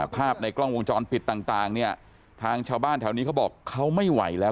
ภาพในกล้องวงจรปิดต่างเนี่ยทางชาวบ้านแถวนี้เขาบอกเขาไม่ไหวแล้ว